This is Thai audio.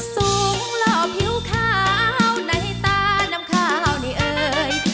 สูงหล่อผิวขาวในตาน้ำขาวนี่เอ่ย